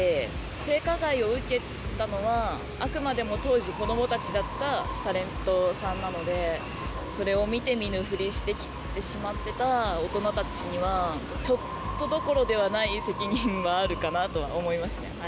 性加害を受けたのは、あくまでも当時、子どもたちだったタレントさんなので、それを見て見ぬふりしてきてしまってた大人たちには、ちょっとどころではない責任はあるかなとは思いますね。